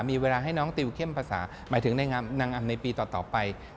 มีเวลาให้น้องติวเข้มภาษาหมายถึงในนางงามในปีต่อไป